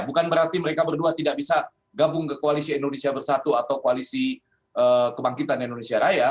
bukan berarti mereka berdua tidak bisa gabung ke koalisi indonesia bersatu atau koalisi kebangkitan indonesia raya